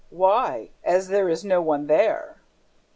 "Why ... as there is no one there?"